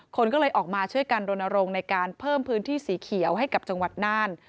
คนก็เลยออกมาช่วยกันรณรงค์ในการเพิ่มพื้นที่สีเขียวให้กับจังหวัดน่าน